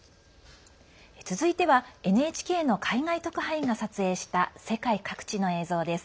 続いてはＮＨＫの海外特派員が撮影した世界各地の映像です。